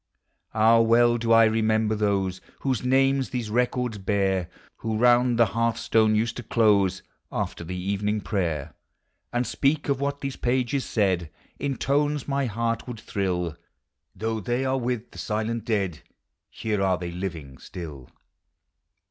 Ah! well do I remember those Whose names these records bear; Who round the hearthstone used to close, After the evening prayer, And speak of what these pages said In tones my heart would thrill ! Though they are with the silent dead, Here are (hey living still!